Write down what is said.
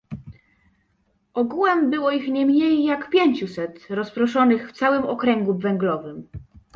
"Ogółem było ich nie mniej, jak pięciuset, rozproszonych w całym okręgu węglowym."